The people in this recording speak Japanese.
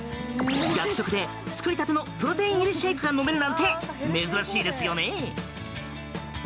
学食で、作りたてのプロテイン入りシェイクが飲めるなんて、珍しいですよね。